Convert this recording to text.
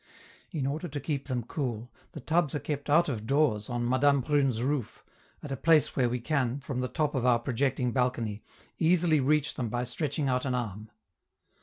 In order to keep them cool, the tubs are kept out of doors on Madame Prune's roof, at a place where we can, from the top of our projecting balcony, easily reach them by stretching out an arm.